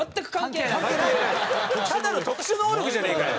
ただの特殊能力じゃねえかよ。